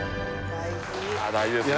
大事ですね。